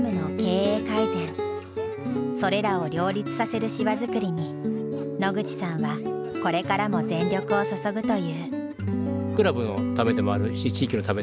それらを両立させる芝作りに野口さんはこれからも全力を注ぐという。